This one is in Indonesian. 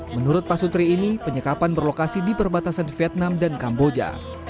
menurut pak sutri ini penyekapan berlokasi di perbatasan vietnam dan kamboja